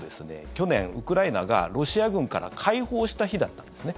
去年、ウクライナがロシア軍から解放した日だったんですね。